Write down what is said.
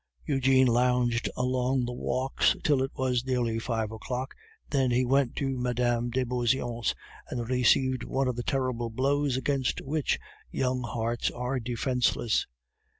Eugene lounged about the walks till it was nearly five o'clock, then he went to Mme. de Beauseant, and received one of the terrible blows against which young hearts are defenceless.